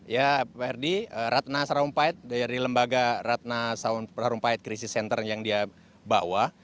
ya pak ferdi ratna sarumpait dari lembaga ratna sarumpait crisis center yang dia bawa